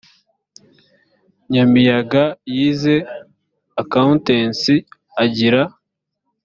nyamiyaga yize accountancy agira